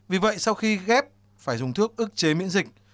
vì vậy sau khi ghép phải dùng thước ức chế miễn dịch